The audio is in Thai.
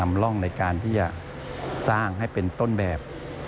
ร่องในการที่จะสร้างให้เป็นต้นแบบ